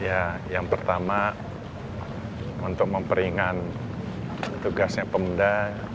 ya yang pertama untuk memperingat tugasnya pemda